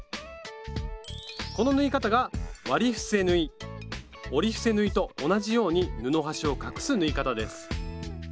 この縫い方が折り伏せ縫いと同じように布端を隠す縫い方です。